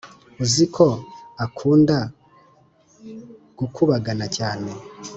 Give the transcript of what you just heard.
uziko akunda gukubagana cyane